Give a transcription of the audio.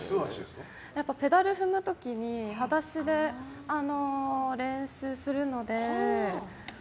ペダル踏む時に裸足で練習するので。